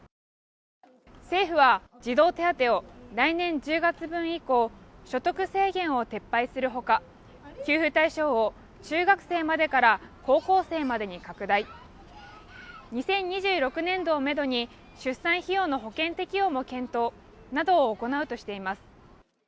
政府は児童手当を来年１０月分以降、所得制限を撤廃するほか、給付対象を中学生までから高校生までに拡大、２０２６年度をめどに出産費用の保険適用も検討などを行うとしています。